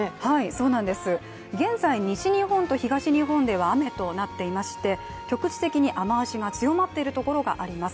そうなんです、現在、西日本と東日本では雨となっていまして局地的に雨足が強まっているところがあります